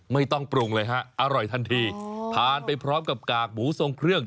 ไม่ต้องปรุงเลยฮะอร่อยทันทีทานไปพร้อมกับกากหมูทรงเครื่อง